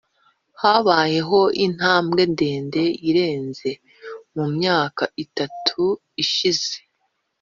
Habayeho intambwe ndende irenze mu myaka itatu ishize